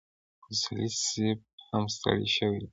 اصولي صیب هم ستړی شوی و.